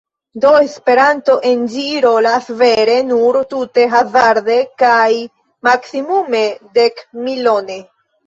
Do Esperanto en ĝi rolas vere nur tute hazarde kaj maksimume dekmilone.